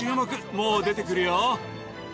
もう出て来るよ。